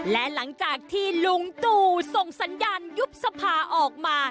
และหลังจากที่ลุงตู่ส่งสัญญาณยุบสภาออกมา